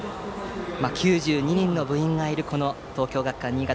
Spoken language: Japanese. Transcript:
９２人の部員がいる東京学館新潟。